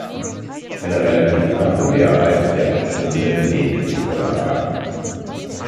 Eine relativ knappe Mehrheit der Abstimmenden lehnte die Vorlage ab.